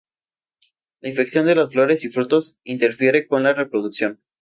La infección de las flores y frutos interfiere con la reproducción.